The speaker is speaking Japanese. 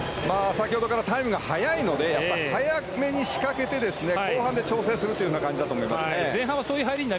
先ほどからタイムが速いので早めに仕掛けて後半で調整するという感じだと思いますね。